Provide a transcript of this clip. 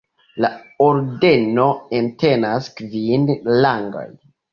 La ordeno entenas kvin rangojn.